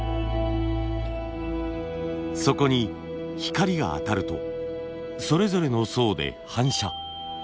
そこに光が当たるとそれぞれの層で反射。